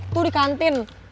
tuh di kantin